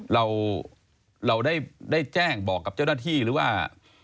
เราได้แจ้งบอกกับเจ้าหน้าที่หรือว่า